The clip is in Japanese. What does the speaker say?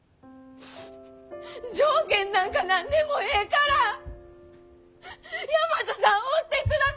条件なんか何でもええから大和さんおってくださいよ！